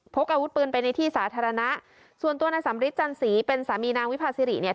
กอาวุธปืนไปในที่สาธารณะส่วนตัวนายสำริทจันสีเป็นสามีนางวิภาสิริเนี่ย